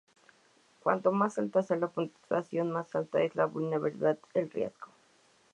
Cuanto más alta sea la puntuación, más alta es la vulnerabilidad al riesgo.